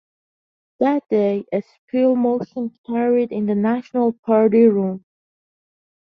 That day, a spill motion carried in the National party room.